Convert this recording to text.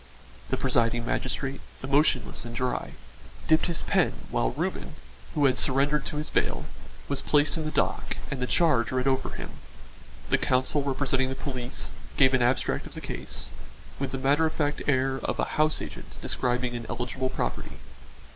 The presiding magistrate, emotionless and dry, dipped his pen while Reuben, who had surrendered to his bail, was placed in the dock and the charge read over to him. The counsel representing the police gave an abstract of the case with the matter of fact air of a house agent describing an eligible property.